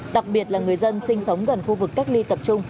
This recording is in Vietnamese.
đặc biệt là người dân sinh sống gần khu vực cách ly tập trung